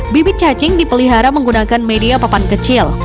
bibit cacing dipelihara menggunakan media papan kecil